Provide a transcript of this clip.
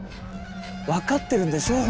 分かってるんでしょう？